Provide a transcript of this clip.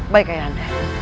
baik ayah anda